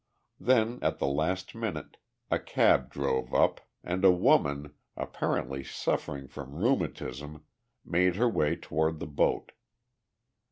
Then, at the last minute, a cab drove up and a woman, apparently suffering from rheumatism, made her way toward the boat.